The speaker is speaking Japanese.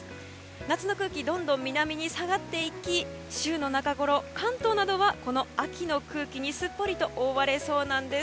夏の空気どんどん南に下がっていき週の中ごろ関東などは秋の空気にすっぽりと覆われそうです。